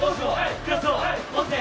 ・グラスを持って！